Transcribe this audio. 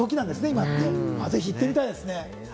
今、ぜひ行ってみたいですね。